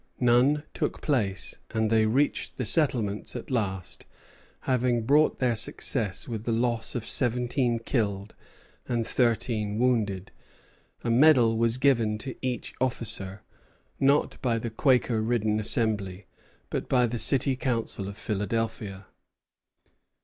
None took place; and they reached the settlements at last, having bought their success with the loss of seventeen killed and thirteen wounded. A medal was given to each officer, not by the Quaker ridden Assembly, but by the city council of Philadelphia.